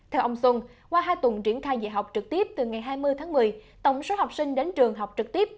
theo ông xuân qua hai tuần triển khai dạy học trực tiếp từ ngày hai mươi tháng một mươi tổng số học sinh đến trường học trực tiếp